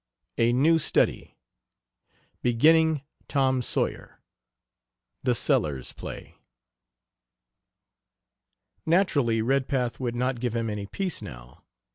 A NEW STUDY. BEGINNING "TOM SAWYER." THE SELLERS PLAY. Naturally Redpath would not give him any peace now.